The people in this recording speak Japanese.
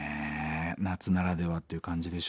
夏ならではという感じでしょうか。